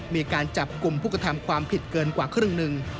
มีการจับกลุ่มผู้กระทำความผิดเกินกว่าครึ่งหนึ่ง